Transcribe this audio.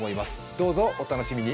どうぞお楽しみに。